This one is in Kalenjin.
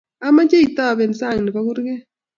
amache itobin sang ne bo kurkee.